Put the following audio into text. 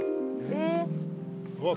えっ！